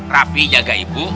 raffi jaga ibu